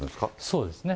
そうですね。